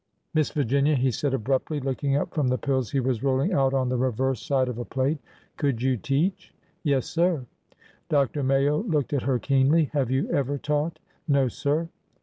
"Miss Virginia," he said abruptly, looking up from the pills he was rolling out on the reverse side of a plate, " could you teach ?"" Yes, sir." Dr. Mayo looked at her keenly. " Have you ever taught? "" No, sir."